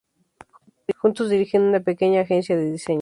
Juntos dirigen una pequeña agencia de diseño.